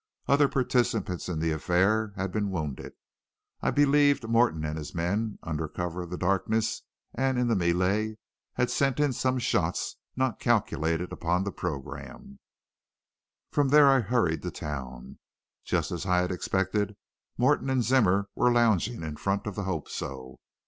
Other participants in the affair had been wounded. I believed Morton and his men, under cover of the darkness and in the melee, had sent in some shots not calculated upon the program. "From there I hurried to town. Just as I had expected, Morton and Zimmer were lounging in front of the Hope So.